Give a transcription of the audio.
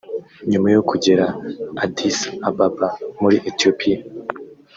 nyuma yo kugera i Addis Ababa muri Ethiopia